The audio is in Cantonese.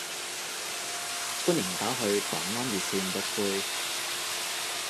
歡迎打去黨安熱線篤灰